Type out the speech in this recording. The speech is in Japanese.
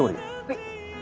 はい。